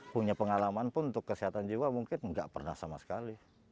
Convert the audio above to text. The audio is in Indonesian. punya pengalaman pun untuk kesehatan jiwa mungkin nggak pernah sama sekali